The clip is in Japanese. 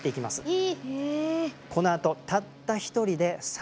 え？